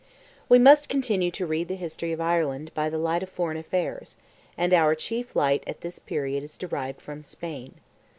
We must continue to read the history of Ireland by the light of foreign affairs, and our chief light at this period is derived from Spain.